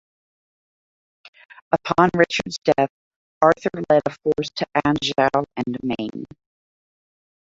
Upon Richard's death Arthur led a force to Anjou and Maine.